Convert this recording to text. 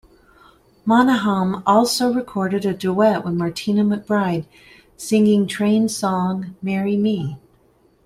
Monahan also recorded a duet with Martina McBride, singing Train's song "Marry Me".